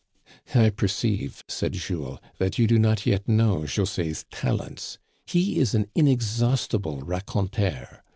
I perceive," said Jules, " that you do not yet know Jose's talents ; he is an inexhaustible raconteur.